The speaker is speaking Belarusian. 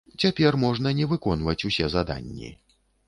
Цяпер можна не выконваць усе заданні.